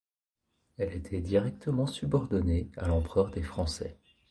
Elle était directement subordonnée à l'Empereur des Français.